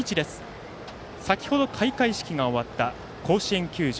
先程開会式が終わった甲子園球場。